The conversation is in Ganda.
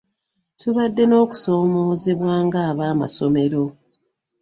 Tubadde n'okusoomoozebwa nga ab'amasomero